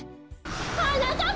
はなかっぱ！